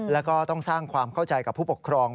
แล้วก็ต้องสร้างความเข้าใจกับผู้ปกครอง